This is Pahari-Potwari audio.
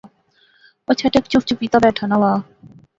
او چھٹ ہک چپ چپیتا بیٹھا ناں وہا